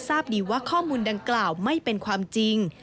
ทราบดีว่าข้อมูลดังกล่าวไม่เป็นความจริง